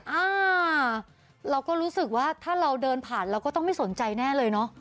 อ่าเราก็รู้สึกว่าถ้าเราเดินผ่านเราก็ต้องไม่สนใจแน่เลยเนอะ